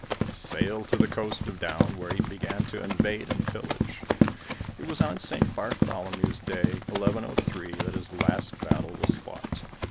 He sailed to the coast of Down, where he began to invade and pillage. It was on Saint Bartholomew's Day, 1103, that his last battle was fought.